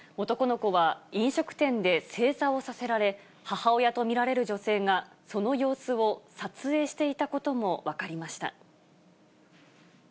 男の子は、飲食店で正座をさせられ、母親と見られる女性が、その様子を撮影していたことも分かりました。